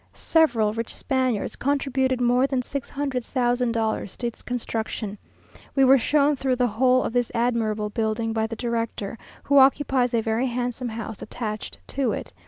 Several rich Spaniards contributed more than six hundred thousand dollars to its construction. We were shown through the whole of this admirable building by the director, who occupies a very handsome house attached to it.